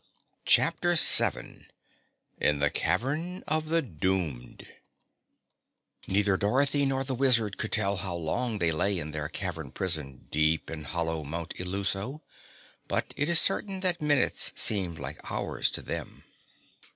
CHAPTER 7 In the Cavern of the Doomed Neither Dorothy nor the Wizard could tell how long they lay in their cavern prison deep in hollow Mount Illuso, but it is certain that minutes seemed like hours to them.